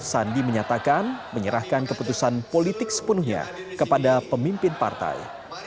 sandi menyatakan menyerahkan keputusan politik sepenuhnya kepada pemimpin partai